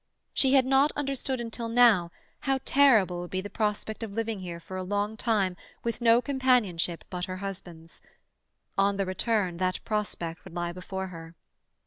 She had not understood until now how terrible would be the prospect of living here for a long time with no companionship but her husband's. On the return that prospect would lie before her.